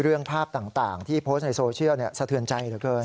เรื่องภาพต่างที่โพสต์ในโซเชียลสะเทือนใจเหลือเกิน